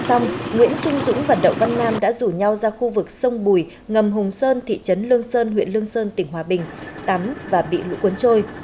xong nguyễn trung dũng và đậu văn nam đã rủ nhau ra khu vực sông bùi ngầm hùng sơn thị trấn lương sơn huyện lương sơn tỉnh hòa bình tắm và bị lũ cuốn trôi